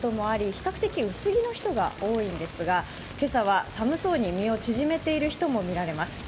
比較的薄着の人が多いんですが今朝は寒そうに身を縮めている人も見られます。